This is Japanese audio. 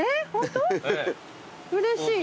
うれしい。